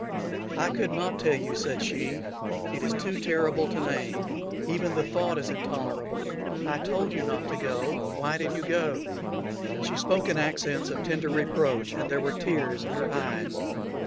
"I could not tell you," said she. "It is too terrible to name. Even the thought is intolerable. I told you not to go. Why did you go?" She spoke in accents of tender reproach, and there were tears in her eyes.